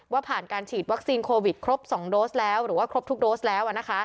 ผ่านการฉีดวัคซีนโควิดครบ๒โดสแล้วหรือว่าครบทุกโดสแล้ว